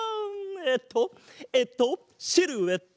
えっとえっとシルエット！